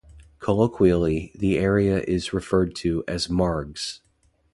Colloquially, the area is referred to as "Margs".